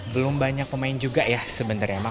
belum banyak pemain juga ya sebenarnya